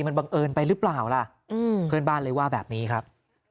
มันบังเอิญไปหรือเปล่าล่ะเพื่อนบ้านเลยว่าแบบนี้ครับ